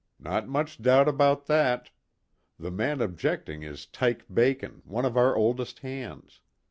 "Not much doubt about that. The man objecting is 'Tyke' Bacon, one of our oldest hands.